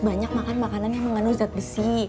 banyak makan makanan yang mengandung zat besi